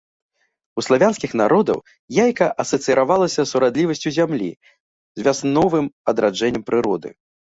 У славянскіх народаў яйка асацыіравалася з урадлівасцю зямлі, з вясновым адраджэннем прыроды.